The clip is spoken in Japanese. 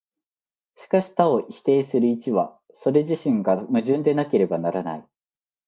しかし多を否定する一は、それ自身が矛盾でなければならない。